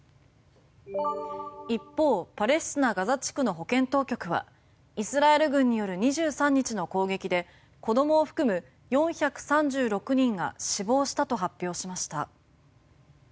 一方、パレスチナ・ガザ地区の保健当局はイスラエル軍による２３日の攻撃で子供を含む４３６人が死亡したと発表しました。